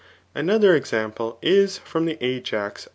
Another example is from the Ajax